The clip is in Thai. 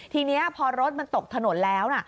ทีนี้พอรถมันตกถนนแล้ว